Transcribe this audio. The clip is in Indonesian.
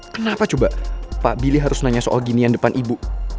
kenapa coba pak billy harus nanya soal ginian depan ibu